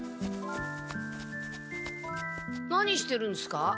何してるんですか？